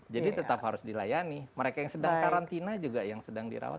jadi tetap harus dilayani mereka yang sedang karantina juga yang sedang dirawat